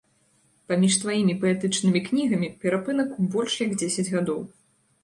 Паміж тваімі паэтычнымі кнігамі перапынак у больш як дзесяць гадоў.